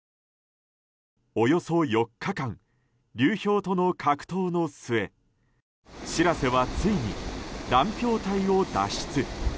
およそ４日間流氷との格闘の末「しらせ」はついに乱氷帯を脱出。